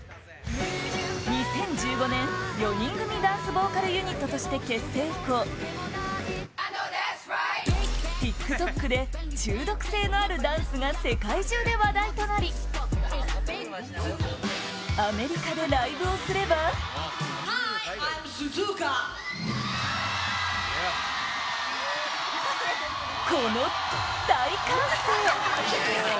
２０１５年４人組ダンスボーカルユニットとして結成以降ＴｉｋＴｏｋで中毒性のあるダンスが世界中で話題となりアメリカでライブをすればこの大歓声！